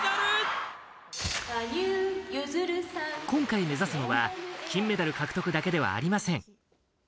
今回、目指すのは金メダル獲得だけではありません。